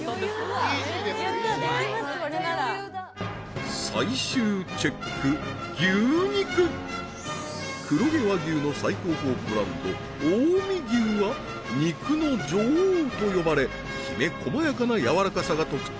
イージー最終チェック黒毛和牛の最高峰ブランド近江牛は肉の女王と呼ばれきめ細やかな軟らかさが特徴